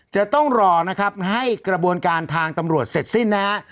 จะต้องรอนะครับให้กระบวนการทางตำรวจเสร็จสิ้นนะฮะ